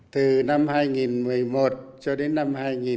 từ năm hai nghìn một mươi một cho đến năm hai nghìn hai mươi một